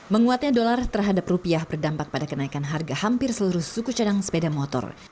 menguatnya dolar terhadap rupiah berdampak pada kenaikan harga hampir seluruh suku cadang sepeda motor